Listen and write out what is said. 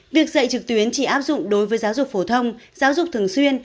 việc dạy trực tuyến chỉ áp dụng đối với giáo dục phổ thông giáo dục thường xuyên